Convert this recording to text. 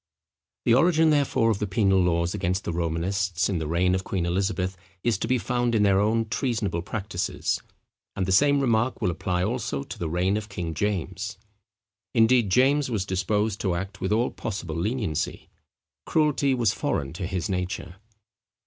The origin, therefore, of the penal laws against the Romanists, in the reign of Queen Elizabeth, is to be found in their own treasonable practices; and the same remark will apply also to the reign of King James. Indeed, James was disposed to act with all possible leniency. Cruelty was foreign to his nature.